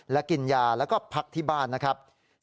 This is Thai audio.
และกินยาแล้วก็พักที่บ้านนะครับ